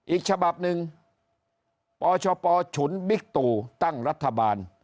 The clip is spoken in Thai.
อีกฉบับหนึ่งปชปฉุนบิ๊กตู่ตั้งรัฐบาล